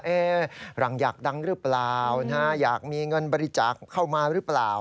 หลังอยากดังหรือเปล่าอยากมีเงินบริจาคเข้ามาหรือเปล่า